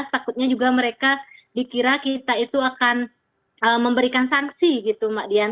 takutnya juga mereka dikira kita itu akan memberikan sanksi gitu mbak dian